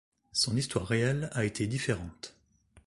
Son histoire réelle a été différente.